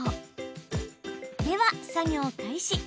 では作業開始。